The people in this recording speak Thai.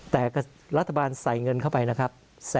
แต่รัฐบาลใส่เงินเข้าไปนะครับ